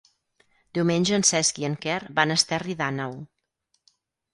Diumenge en Cesc i en Quer van a Esterri d'Àneu.